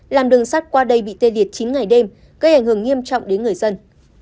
làm đường sắt qua đây bị tê liệt chín ngày đêm gây ảnh hưởng nghiêm trọng đến người dân